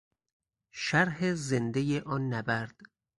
شرح زندهی آن نبرد